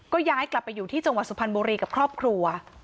ก็ย้ายกลับไปอยู่ที่จังหวัดสุพรรณบุรีกับครอบครัว